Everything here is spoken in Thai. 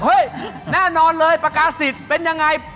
แน่นอนเลยประกาศิษย์เป็นยังไง